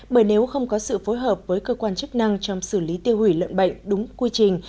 bởi nếu không có sự phối hợp với cơ quan chức năng trong xử lý tiêu hủy lợn bệnh đúng quy trình